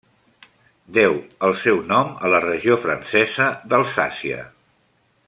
Deu al seu nom a la regió francesa d'Alsàcia.